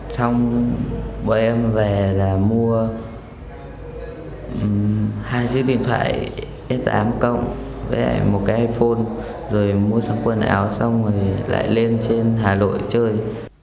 xong bọn em về là mua hai chiếc điện thoại hết tám cộng với một cái iphone rồi mua sắm quần áo xong rồi lại lên trên hà nội chơi